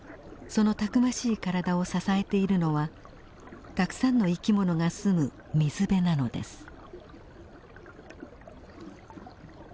そのたくましい体を支えているのはたくさんの生きものが住む水辺なのです。